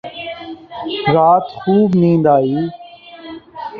رات خوب نیند آئی